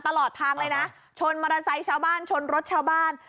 ตลอดทางเลยน่ะชนมารสัยชาวบ้านชนรถชาวบ้าน